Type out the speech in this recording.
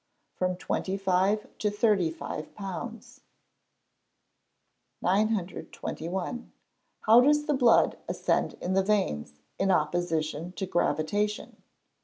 _ From twenty five to thirty five pounds. (See 623.) 921. _How does the blood ascend in the veins, in opposition to gravitation?